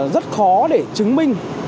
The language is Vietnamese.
rất khó để chứng minh